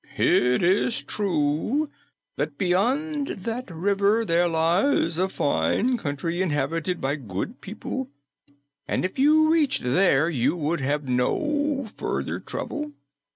It is true that beyond that river there lies a fine country inhabited by good people, and if you reached there, you would have no further trouble.